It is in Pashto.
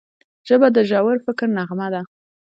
ژبه د ژور فکر نغمه ده